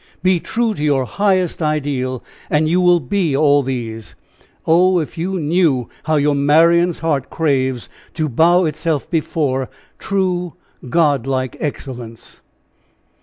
Be true to your highest ideal, and you will be all these. Oh! if you knew how your Marian's heart craves to bow itself before true god like excellence!"